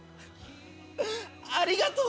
ありがとう。